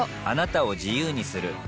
あなたを自由にする